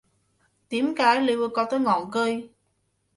點解你會覺得戇居